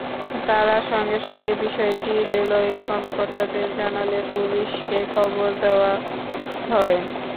তাঁরা সঙ্গে সঙ্গে বিষয়টি রেলওয়ের কর্মকর্তাদের জানালে পুলিশকে খবর দেওয়া হয়।